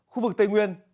khu vực tây nguyên